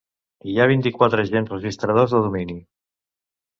Hi ha vint-i-quatre agents registradors de domini.